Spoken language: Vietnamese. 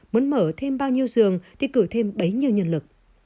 muốn mở thêm bao nhiêu giường thì cử thêm bấy nhiêu nhân lực